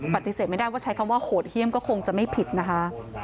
ปฏิเสธไม่ได้ว่าใช้คำว่าโหดเยี่ยมก็คงจะไม่ผิดนะคะ